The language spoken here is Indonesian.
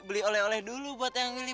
beli oleh oleh dulu buat eang willy